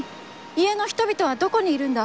家のひとびとは、どこにいるんだ？